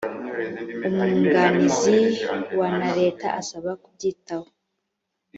umwunganizi wa na leta asaba kubyitaho